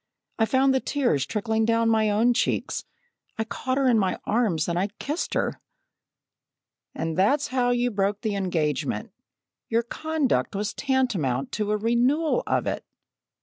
I found the tears trickling down my own cheeks. I caught her in my arms and kissed her." "And that's how you broke the engagement. Your conduct was tantamount to a renewal of it!"